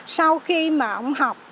sau khi mà ông học